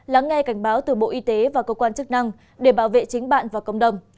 lắng nghe cảnh báo từ bộ y tế và cơ quan chức năng để bảo vệ chính bạn và cộng đồng